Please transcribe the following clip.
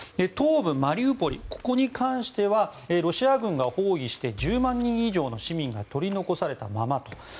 東部マリウポリ、ここに関してはロシア軍が包囲して１０万人以上の市民が取り残されたままと。